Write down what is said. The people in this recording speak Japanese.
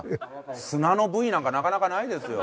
砂のＶなんかなかなかないですよ。